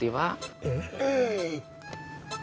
subrima ambil tuh pak